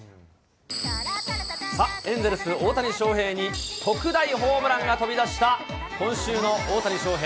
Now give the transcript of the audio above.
さあ、エンゼルス、大谷翔平に特大ホームランが飛び出した今週の大谷翔平